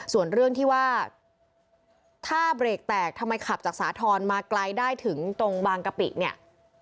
ส่วนเรื่องที่ว่าถ้าเบรกแตกทำไมขับจากสาธรณ์มาไกลได้ถึงตรงบางกะปิเนี่ย